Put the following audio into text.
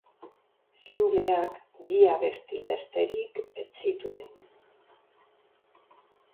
Singleak bi abesti besterik ez zituen.